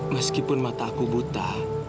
meskipun mata aku buta